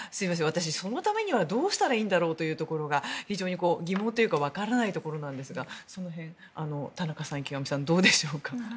私、そのためにはどうしたらいいんだろうというところが非常に疑問というかわからないところなんですがその辺、田中さん、池上さんどうでしょうか。